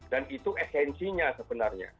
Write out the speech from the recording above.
dan itu esensinya sebenarnya